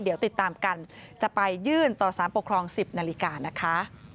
เดี๋ยวติดตามกันจะไปยื่นต่อสารปกครอง๑๐นาฬิกานะคะ